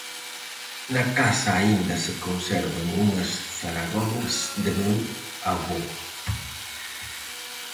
Na casa aínda se conservan unhas zaragolas de meu avó.